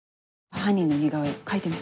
犯人の似顔絵描いてみて。